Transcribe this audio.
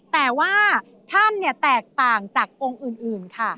แต่ว่าท่านแตกต่างจากองค์อื่นค่ะ